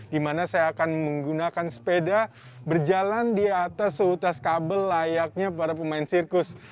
dimana saya akan menggunakan sepeda berjalan di atas suhu tas kabel layaknya para pemain sirkus